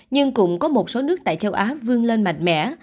nhưng cũng có một số nước tại châu á vương lên mạnh mẽ